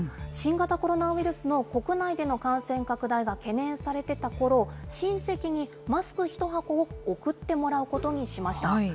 新型コロナウイルスの国内での感染拡大が懸念されていたころ、親戚にマスク１箱を送ってもらうことにしました。